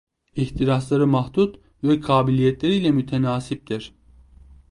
İhtirasları mahdut ve kabiliyetleriyle mütenasiptir.